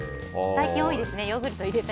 最近、多いですよね。